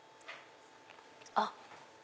あっ。